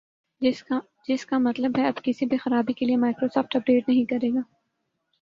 جس کا مطلب ہے اب کسی بھی خرابی کے لئے مائیکروسافٹ اپ ڈیٹ نہیں کرے گا